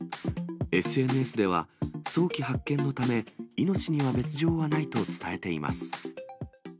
ＳＮＳでは、早期発見のため、命には別状はないと伝えています。